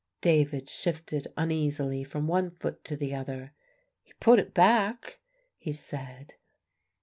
David shifted uneasily from one foot to the other. "He put it back," he said.